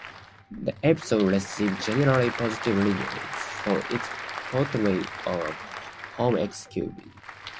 The episode received generally positive reviews for its portrayal of homosexuality.